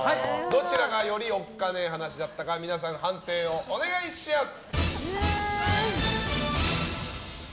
どちらがよりおっカネ話だったか判定をお願いします。